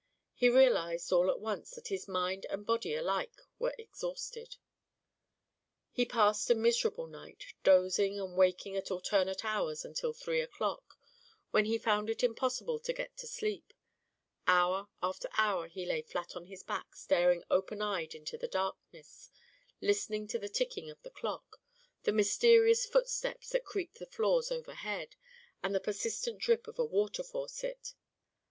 He realized all at once that his mind and body alike were exhausted. He passed a miserable night, dozing and waking at alternate hours until three o'clock, when he found it impossible to get to sleep; hour after hour he lay flat on his back staring open eyed into the darkness, listening to the ticking of the clock, the mysterious footsteps that creaked the floors overhead, and the persistent drip of a water faucet.